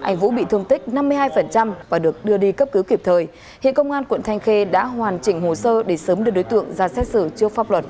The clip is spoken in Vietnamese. anh vũ bị thương tích năm mươi hai và được đưa đi cấp cứu kịp thời hiện công an quận thanh khê đã hoàn chỉnh hồ sơ để sớm đưa đối tượng ra xét xử trước pháp luật